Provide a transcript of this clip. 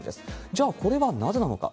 じゃあ、これはなぜなのか。